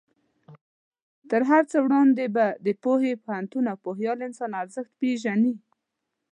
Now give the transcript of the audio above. تر هر څه وړاندې به د پوهې، پوهنتون او پوهیال انسان ارزښت پېژنې.